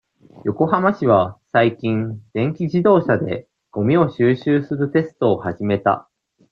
横浜市は、最近、電気自動車で、ごみを収集するテストを始めた。